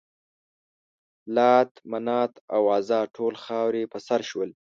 لات، منات او عزا ټول خاورې په سر شول.